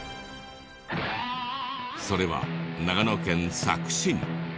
それは長野県佐久市に。